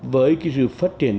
với cái sự phát triển